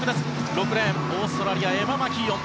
６レーン、オーストラリアエマ・マキーオン。